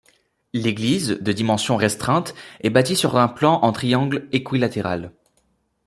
L'église, de dimensions restreintes, est bâtie sur un plan en triangle équilatéral.